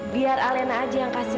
biar alena aja yang kasih